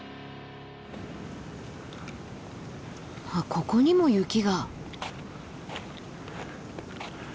ここにも雪が。